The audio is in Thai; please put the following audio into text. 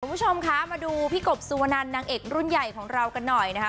คุณผู้ชมคะมาดูพี่กบสุวนันนางเอกรุ่นใหญ่ของเรากันหน่อยนะคะ